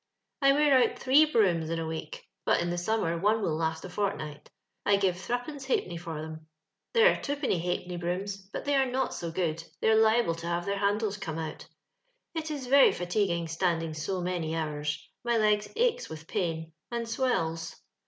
•I wear out three brooms in a week; but in the summer one will last a fortnight. I give threepence ha'penny for them ; there are twopenny ha'penny brooms, but they are not so good, they are liable to have their handles come out. It is very fatiguing standing so manr hours; my legs aches with pain, and swells.